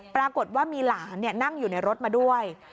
ปรากฏว่ามีหลานนั่งอยู่ในรถมาด้วย